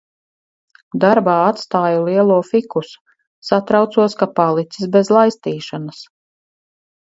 Darbā atstāju lielo fikusu. Satraucos, ka palicis bez laistīšanas.